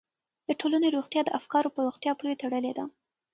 د ټولنې روغتیا د افکارو په روغتیا پورې تړلې ده.